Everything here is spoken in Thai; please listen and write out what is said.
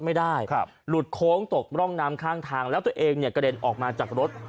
ไม่ได้ครับหลุดโค้งตกร่องน้ำข้างทางแล้วตัวเองเนี่ยกระเด็นออกมาจากรถ